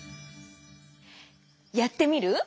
やってみる？